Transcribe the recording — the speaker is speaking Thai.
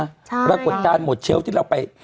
หลักกฎการหมดเชลฟที่เราไป